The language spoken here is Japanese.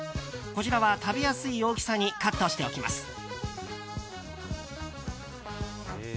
こちらは食べやすい大きさにカットしておきます。